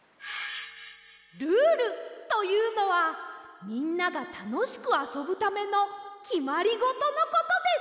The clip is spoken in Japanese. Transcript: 「ルール」というのはみんながたのしくあそぶためのきまりごとのことです！